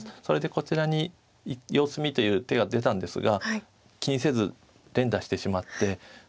それでこちらに様子見という手が出たんですが気にせず連打してしまって。